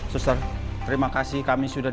pak ardi tidak tahu siapa intan